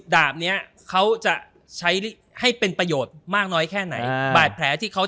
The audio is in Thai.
ดาบเนี้ยเขาจะใช้ให้เป็นประโยชน์มากน้อยแค่ไหนบาดแผลที่เขา